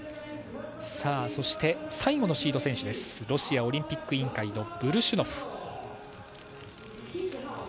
そして、最後のシード選手ロシアオリンピック委員会のブルシュノフ。